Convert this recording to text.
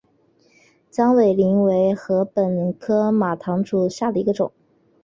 红尾翎为禾本科马唐属下的一个种。